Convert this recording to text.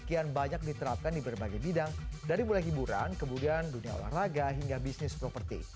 kian banyak diterapkan di berbagai bidang dari mulai hiburan kemudian dunia olahraga hingga bisnis properti